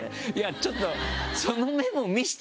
ちょっと。